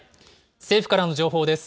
政府からの情報です。